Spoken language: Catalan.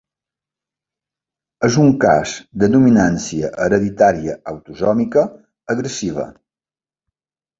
És un cas de dominància hereditària autosòmica agressiva.